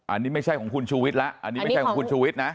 อันนี้ไม่ใช่ของคุณชูวิทย์แล้วอันนี้ไม่ใช่ของคุณชูวิทย์นะ